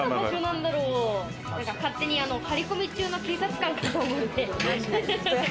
勝手に張り込み中の警察官かと思って。